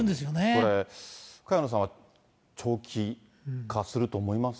これ、萱野さんは、長期化すると思います？